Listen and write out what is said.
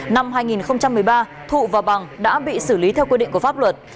năm hai nghìn một mươi ba thụ và bằng đã bị xử lý theo quy định của pháp luật